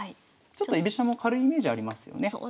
ちょっと居飛車も軽いイメージありますよね。